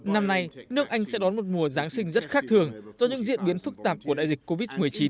năm nay nước anh sẽ đón một mùa giáng sinh rất khác thường do những diễn biến phức tạp của đại dịch covid một mươi chín